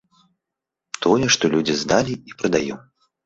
Тое, што людзі здалі, і прадаём.